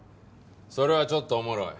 それはちょっとおもろい。